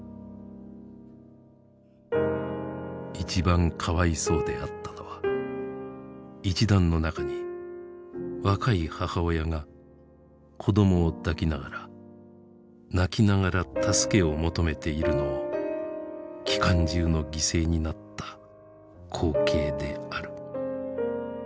「一番可愛相であったのは一団の中に若い母親が子供を抱き乍ら泣き乍ら助けを求めているのを機関銃の犠牲になった光景である。